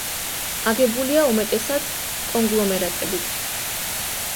აგებულია უმეტესად კონგლომერატებით.